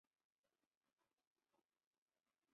二人随即来到遭废置的车站中寻找那节车厢。